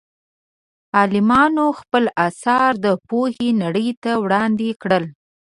عالمانو خپل اثار د پوهې نړۍ ته وړاندې کړل.